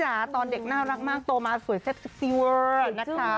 เพราะตอนเด็กน่ารักตัวมาสวยเซ็บเซ็กซี่หวังนะค่ะ